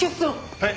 ・はい！